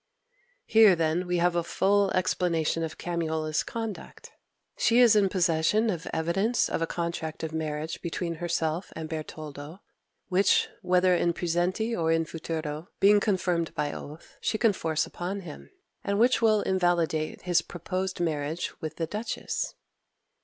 Here, then, we have a full explanation of Camiola's conduct. She is in possession of evidence of a contract of marriage between herself and Bertoldo, which, whether in praesenti or in futuro, being confirmed by oath, she can force upon him, and which will invalidate his proposed marriage with the duchess.